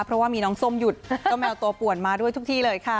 เพราะว่ามีน้องส้มหยุดเจ้าแมวตัวป่วนมาด้วยทุกที่เลยค่ะ